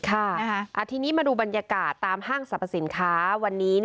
ทีนี้มาดูบรรยากาศตามห้างสรรพสินค้าวันนี้